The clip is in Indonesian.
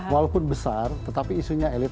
walaupun besar tetapi isunya elit